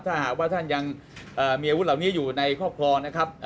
ถ้าหากว่าท่านยังมีอาวุธเหล่านี้อยู่ในครอบครองนะครับ